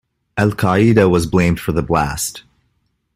Al-Qaeda was blamed for the blast.